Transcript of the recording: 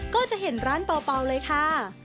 ก็จะเห็นร้านเปล่าเลยค่ะ